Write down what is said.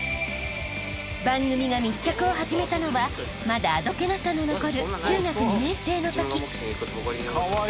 ［番組が密着を始めたのはまだあどけなさの残る中学２年生のとき］